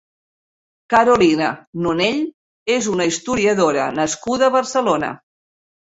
Carolina Nonell és una historiadora nascuda a Barcelona.